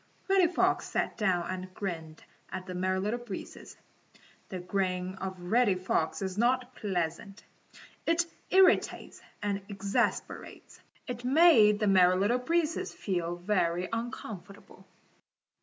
Reddy Fox sat down and grinned at the Merry Little Breezes. The grin of Reddy Fox is not pleasant. It irritates and exasperates. It made the Merry Little Breezes feel very uncomfortable.